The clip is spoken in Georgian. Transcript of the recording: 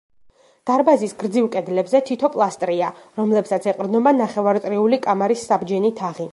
დარბაზის გრძივ კედლებზე თითო პილასტრია, რომლებსაც ეყრდნობა ნახევარწრიული კამარის საბჯენი თაღი.